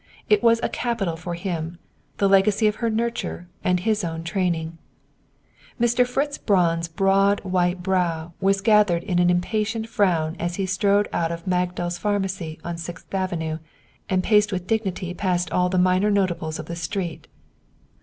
It was a capital for him, the legacy of her nurture and his own training. Mr. Fritz Braun's broad white brow was gathered in an impatient frown as he strode out of Magdal's Pharmacy on Sixth Avenue and paced with dignity past all the minor notables of the street.